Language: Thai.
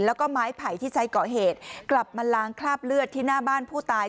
แล้วก็ไม้ไผ่ที่ใช้ก่อเหตุกลับมาล้างคราบเลือดที่หน้าบ้านผู้ตาย